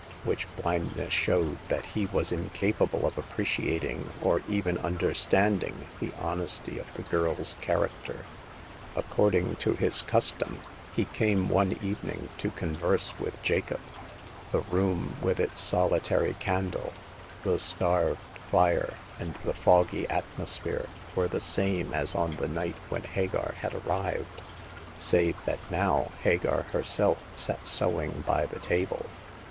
Which blindness showed that he was incapable of appreciating or even understanding the honesty of the girl's character. According to his custom, he came one even ing to converse with Jacob. The room with its solitary candle, the starved fire, and the foggy atmosphere, were the same as on the night when Hagar had arrived, save that now Hagar herself sat sewing by the table.